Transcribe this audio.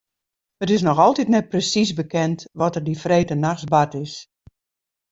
It is noch altyd net presiis bekend wat der dy freedtenachts bard is.